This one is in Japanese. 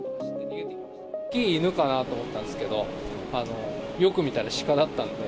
大きい犬かなと思ったんですけど、よく見たら、シカだったので。